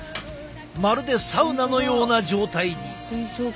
まるでサウナのような状態に。